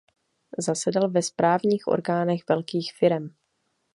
Zasedal ve správních orgánech velkých firem.